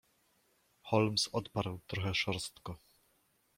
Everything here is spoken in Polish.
"Holmes odparł trochę szorstko."